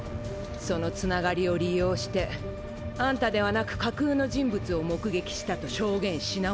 そのつながりを利用してアンタではなく架空の人物を目撃したと証言し直したのに。